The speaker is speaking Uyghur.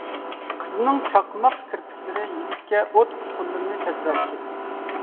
قىزنىڭ چاقماق كىرپىكلىرى يىگىتكە ئوت ئۇچقۇنلىرىنى چاچراتتى.